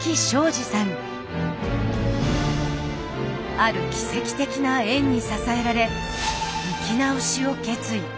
ある奇跡的な縁に支えられ生き直しを決意。